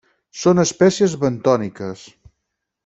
Són espècies bentòniques.